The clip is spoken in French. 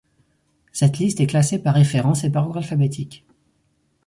Cette liste est classée par référence et par ordre alphabétique.